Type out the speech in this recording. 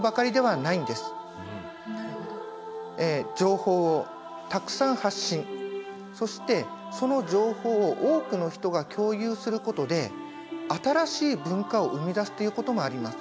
情報をたくさん発信そしてその情報を多くの人が共有することで新しい文化を生み出すということもあります。